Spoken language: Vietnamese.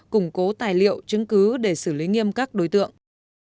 củng cố tài liệu chứng cứ để xử lý nghiêm các đối tượng